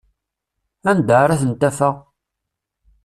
Anda ara tent-afeɣ?